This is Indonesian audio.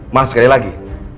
mas sekali lagi